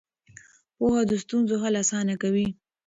پوهه د ستونزو حل اسانه کوي.